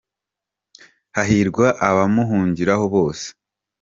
Hahirwa abamuhungiraho bose.